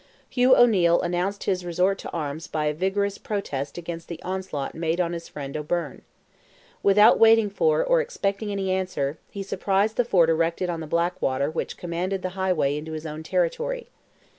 Hugh O'Neil announced his resort to arms by a vigorous protest against the onslaught made on his friend O'Byrne. Without waiting for, or expecting any answer, he surprised the fort erected on the Blackwater which commanded the highway into his own territory.